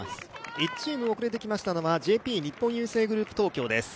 １チーム遅れてきましたのはＪＰ日本郵政グループです。